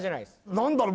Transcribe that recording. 何だろう